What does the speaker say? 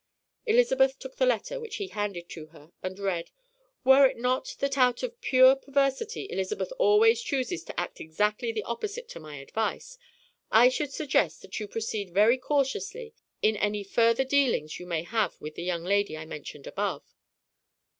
Elizabeth took the letter which he handed to her, and read: "Were it not that out of pure perversity Elizabeth always chooses to act exactly the opposite to my advice, I should suggest that you proceed very cautiously in any further dealings you may have with the young lady I mentioned above."